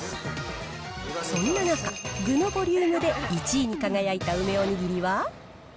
そんな中、具のボリュームで１位に輝いた梅おにぎりは。